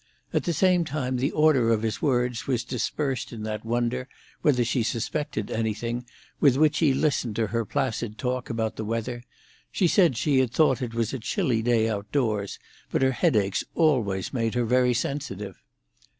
At the same time the order of his words was dispersed in that wonder, whether she suspected anything, with which he listened to her placid talk about the weather; she said she had thought it was a chilly day outdoors; but her headaches always made her very sensitive.